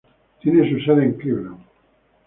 Tiene su sede en Cleveland.